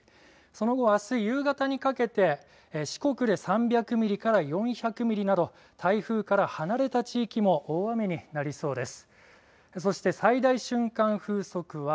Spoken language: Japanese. その後、あす夕方にかけて四国で３００ミリから４００ミリなど台風から離れた地域も大雨になりそうです。